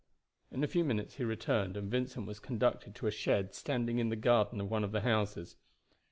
In a few minutes he returned, and Vincent was conducted to a shed standing in the garden of one of the houses.